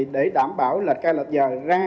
để đảm bảo là cây lạch giờ ra